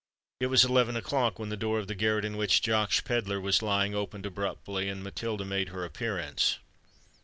It was eleven o'clock when the door of the garret in which Josh Pedler was lying, opened abruptly and Matilda made her appearance.